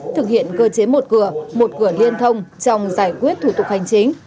thực hiện cơ chế một cửa một cửa liên thông trong giải quyết thủ tục hành chính